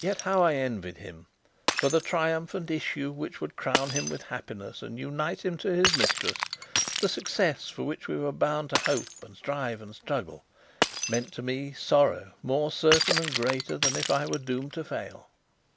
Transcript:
Yet how I envied him! For the triumphant issue which would crown him with happiness and unite him to his mistress, the success for which we were bound to hope and strive and struggle, meant to me sorrow more certain and greater than if I were doomed to fail.